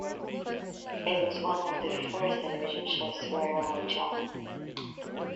It was one of the first television shows to air on the channel.